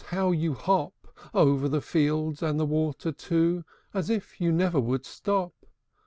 how you hop Over the fields, and the water too, As if you never would stop!